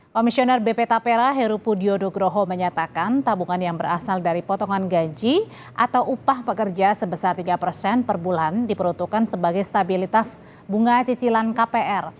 komisioner bp tapera heru pudiodogroho menyatakan tabungan yang berasal dari potongan gaji atau upah pekerja sebesar tiga persen per bulan diperuntukkan sebagai stabilitas bunga cicilan kpr